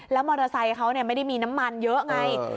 แล้วมอเตอร์ไซค์เขาเนี่ยไม่ได้มีน้ำมันเยอะไง